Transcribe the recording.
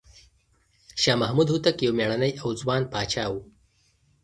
شاه محمود هوتک یو مېړنی او ځوان پاچا و.